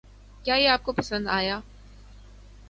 کیا یہ آپ کو پَسند آیا؟